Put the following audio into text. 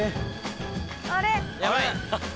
あれ？